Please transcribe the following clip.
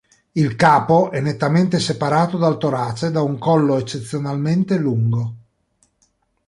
Il capo è nettamente separato dal torace da un collo eccezionalmente lungo.